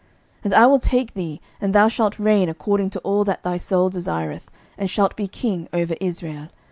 11:011:037 And I will take thee, and thou shalt reign according to all that thy soul desireth, and shalt be king over Israel.